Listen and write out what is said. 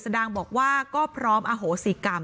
หนูจะให้เขาเซอร์ไพรส์ว่าหนูเก่ง